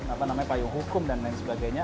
apa namanya payung hukum dan lain sebagainya